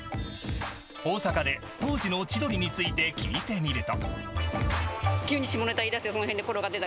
大阪で当時の千鳥について聞いてみると。